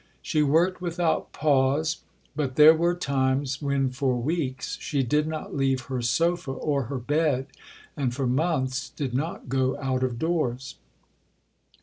She worked without pause, but there were times when for weeks she did not leave her sofa or her bed, and for months did not go out of doors.